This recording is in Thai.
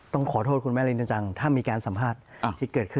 ต้องขอโทษคุณแม่รินจังถ้ามีการสัมภาษณ์ที่เกิดขึ้น